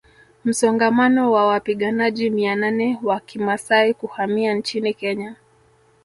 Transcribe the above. Msongamano wa wapiganaji mia nane wa Kimasai kuhamia nchini Kenya